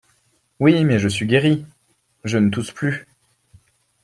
Oui, mais je suis guéri !… je ne tousse plus !…